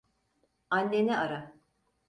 Anneni ara.